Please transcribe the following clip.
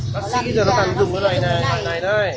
bác sĩ giờ nó tàn dùng cái này này cái này này